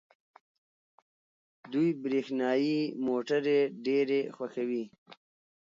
دوی برښنايي موټرې ډېرې خوښوي.